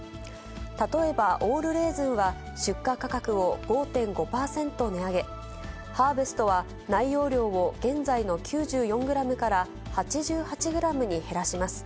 例えばオールレーズンは出荷価格を５．５％値上げ、ハーベストは内容量を現在の９４グラムから、８８グラムに減らします。